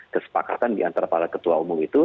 kesepakatan di antara para ketua umum ini